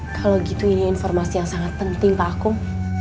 kalau gitu ini informasi yang sangat penting pak akung